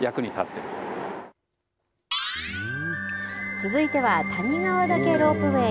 続いては、谷川岳ロープウェイ。